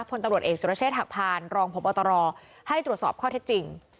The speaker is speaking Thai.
พลตำรวจเอกสุรเชษฐหักพานรองพบตรให้ตรวจสอบข้อเท็จจริง